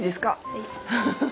はい。